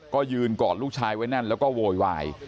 ก็ยืนกอดลูกชายไว้แน่นแล้วก็โวยวาย